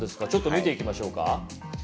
ちょっと見ていきましょうか。